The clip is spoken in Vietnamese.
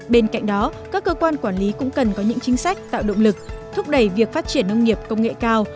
bên cạnh đó các cơ quan quản lý cũng cần có những chính sách tạo động lực thúc đẩy việc phát triển nông nghiệp công nghệ cao